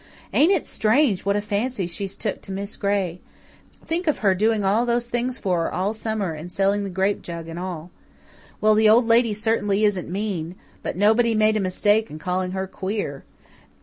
Ain't it strange what a fancy she's took to Miss Gray? Think of her doing all those things for her all summer, and selling the grape jug and all. Well, the Old Lady certainly isn't mean, but nobody made a mistake in calling her queer.